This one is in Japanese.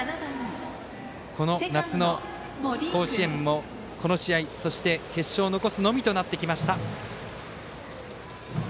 この夏の甲子園もこの試合そして決勝を残すのみとなってきました。